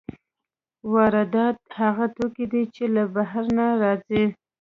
واردات هغه توکي دي چې له بهر نه راځي.